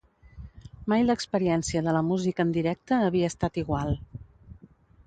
Mai l’experiència de la música en directe havia estat igual.